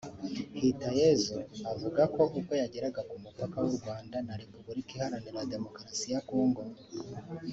Hitayezu avuga ko ubwo yageraga ku mupaka w’u Rwanda na Repubulika Iharanira Demokarasi ya Congo